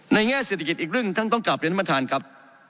ในแง่เศรษฐกิจอีกเรื่องท่านต้องกลับและทำทานกับ